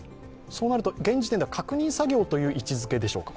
そうなると現時点では、確認作業という位置づけですか？